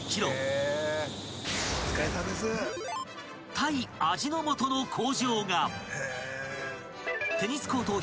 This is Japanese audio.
［タイ味の素の工場が］